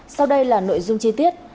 sau đây là nội dung chi tiết